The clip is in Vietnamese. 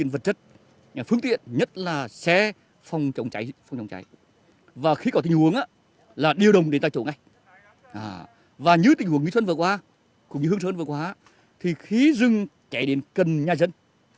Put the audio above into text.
vừa qua cũng như hương sơn vừa qua thì khí rừng chạy đến cần nhà dân